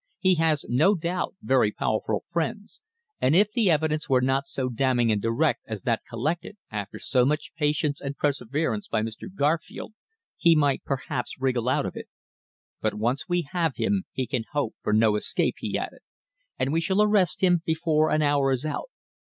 "He has no doubt, very powerful friends, and if the evidence were not so damning and direct as that collected after so much patience and perseverance by Mr. Garfield, he might perhaps wriggle out of it. But once we have him he can hope for no escape," he added. "And we shall arrest him before an hour is out.